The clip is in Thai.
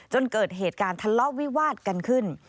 จนเกิดเหตุการณ์ทะเลาะวิวาดกันขึ้น